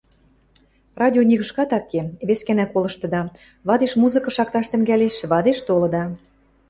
— Радио нигышкат ак ке, вескӓнӓ колыштыда, вадеш музыка шакташ тӹнгӓлеш, вадеш толыда!